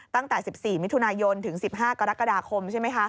ตั้งแต่๑๔มิถุนายนถึง๑๕กรกฎาคมใช่ไหมคะ